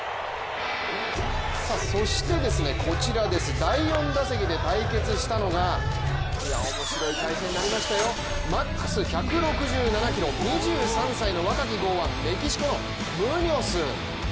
そして、こちら第４打席で対決したのが面白い対戦になりましたマックス１６７キロ２３歳の若き剛腕、メキシコのムニョス。